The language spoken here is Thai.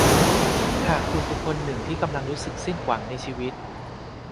หากคุณเป็นคนหนึ่งที่กำลังรู้สึกสิ้นหวังในชีวิต